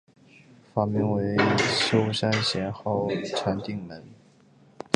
法名为休山贤好禅定门。